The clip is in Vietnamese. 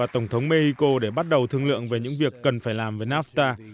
ông trump sẽ gặp thủ tướng canada và tổng thống mỹ để bắt đầu thương lượng về những việc cần phải làm với nafta